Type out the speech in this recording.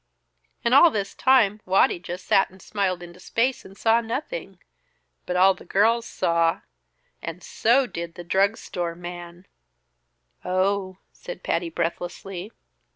And all this time Waddy just sat and smiled into space and saw nothing; but all the girls saw, and so did the drugstore man!" "Oh!" said Patty breathlessly.